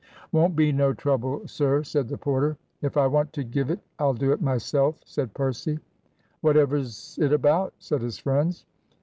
"Won't be no trouble, sir," said the porter. "If I want to give it I'll do it myself," said Percy. "Whatever's it about?" said his friends.